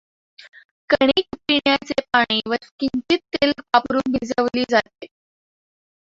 कणिक पिण्याचे पाणी व किंचित तेल वापरुन भिजवली जाते.